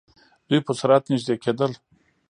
دوئ په سرعت نژدې کېدل.